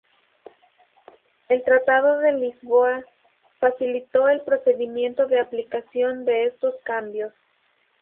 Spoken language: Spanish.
El Tratado de Lisboa facilitó el procedimiento de aplicación de estos cambios.